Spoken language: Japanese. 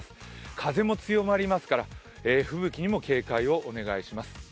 風も強まりますから吹雪にも警戒をお願いします。